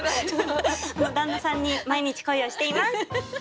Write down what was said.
旦那さんに毎日恋をしています！